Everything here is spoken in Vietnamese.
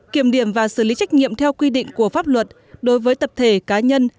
kiểm điểm và xử lý trách nhiệm theo quy định của pháp luật đối với tập thể cá nhân